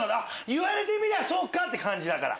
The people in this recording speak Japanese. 言われてみりゃそっか！って感じだから。